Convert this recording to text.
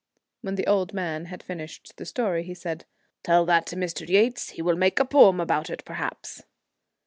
When the old man had finished the story, he said, ' Tell that to Mr. Yeats, he will make a poem about it, perhaps.'